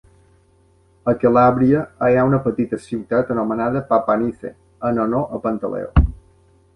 A Calàbria, hi ha una petita ciutat anomenada Papanice, en honor a Pantaleó.